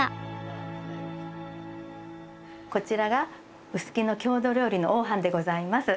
こちらが臼杵の郷土料理の黄飯でございます。